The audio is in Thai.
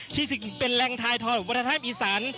ที่เป็นแรงทายทอยของวัฒนธรรมอีสาน